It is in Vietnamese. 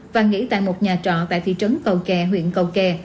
và nghỉ tại một nhà trọ tại thị trấn cầu kè huyện cầu kè